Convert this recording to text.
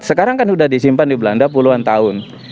sekarang kan sudah disimpan di belanda puluhan tahun